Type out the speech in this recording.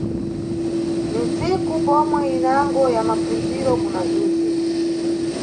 Ni ntsiku pomwe inango ya mapfundziro kuna Zuze.